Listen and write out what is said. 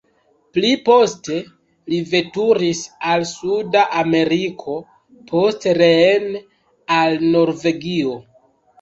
Pli poste li veturis al suda Ameriko, poste reen al Norvegio.